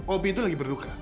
opi itu lagi berduka